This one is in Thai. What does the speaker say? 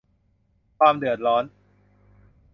ความเดือดร้อน